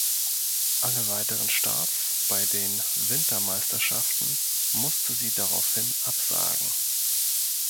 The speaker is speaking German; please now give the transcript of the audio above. Alle weiteren Starts bei den Winter-Meisterschaften musste sie daraufhin absagen.